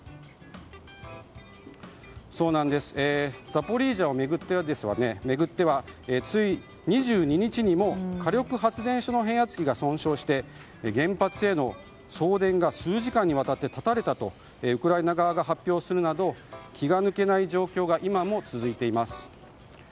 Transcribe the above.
ザポリージャを巡ってはつい２２日にも火力発電所の変圧器が損傷して、原発への送電が数時間にわたって断たれたとウクライナ側が発表するなど気が抜けない状況が今も続いています。